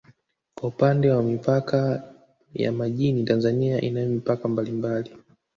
Kwa upande wa mipaka ya majini Tanzania inayo mipaka mbalimbali